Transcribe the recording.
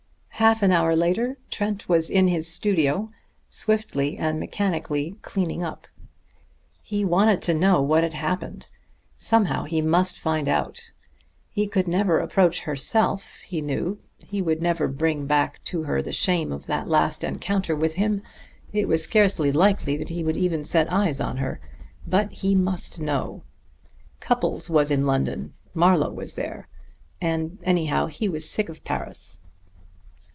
Half an hour later Trent was in his studio, swiftly and mechanically "cleaning up." He wanted to know what had happened; somehow he must find out. He could never approach herself, he knew; he would never bring back to her the shame of that last encounter with him; it was scarcely likely that he would even set eyes on her. But he must know!... Cupples was in London, Marlowe was there.... And anyhow he was sick of Paris.